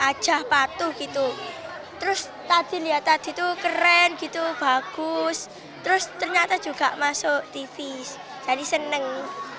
aja patuh gitu terus tadi lihat tadi tuh keren gitu bagus terus ternyata juga masuk tv jadi seneng